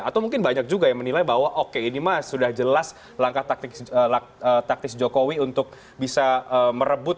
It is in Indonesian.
atau mungkin banyak juga yang menilai bahwa oke ini mah sudah jelas langkah taktis jokowi untuk bisa merebut